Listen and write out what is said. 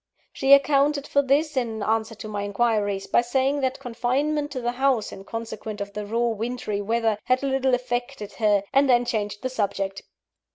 She accounted for this, in answer to my inquiries, by saying that confinement to the house, in consequence of the raw, wintry weather, had a little affected her; and then changed the subject.